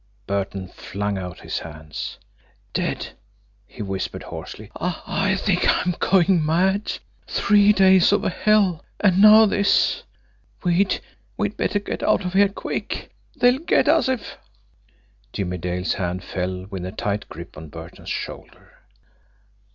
Burton flung out his hands. "Dead!" he whispered hoarsely. "I I think I'm going mad. Three days of hell and now this. We'd we'd better get out of here quick they'll get us if " Jimmie Dale's hand fell with a tight grip on Burton's shoulder.